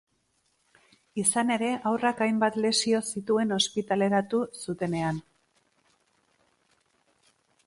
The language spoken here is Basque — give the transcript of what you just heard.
Izan ere, haurrak hainbat lesio zituen ospitaleratu zutenean.